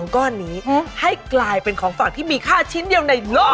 ก้อนนี้ให้กลายเป็นของฝากที่มีค่าชิ้นเดียวในโลก